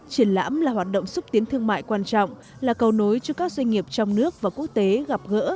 triển lãm là hoạt động xúc tiến thương mại quan trọng là cầu nối cho các doanh nghiệp trong nước và quốc tế gặp gỡ